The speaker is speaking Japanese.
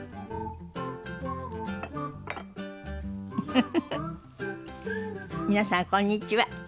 フフフフ皆さんこんにちは。